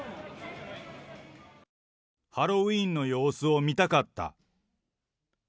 ハロウィーンの様子を見たかった。